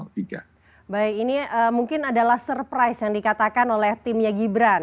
baik ini mungkin adalah surprise yang dikatakan oleh timnya gibran